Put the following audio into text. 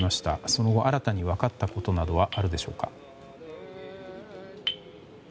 その後新たに分かったことなどはあるでしょうか？